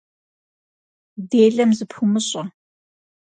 Делэм зэпумыщӀэ.